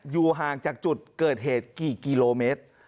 อยู่ห่างจากจุดเกิดเหตุกี่กิโลเมตร